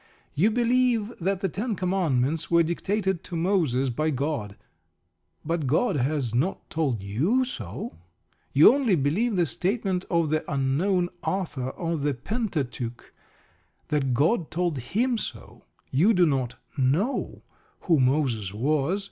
You believe that the Ten Commandments were dictated to Moses by God. But God has not told you so. You only believe the statement of the unknown author of the Pentateuch that God told him so. You do not know who Moses was.